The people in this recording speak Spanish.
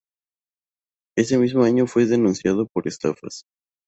Ese mismo año fue denunciado por estafas.